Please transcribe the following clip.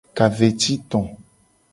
Ka ve ci to.